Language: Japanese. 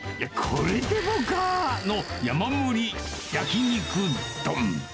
これでもかの山盛り焼き肉丼。